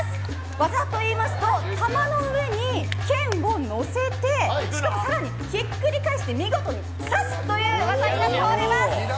技というと玉の上にけんを乗せてしかも、さらにひっくり返して見事に刺すという技になっております。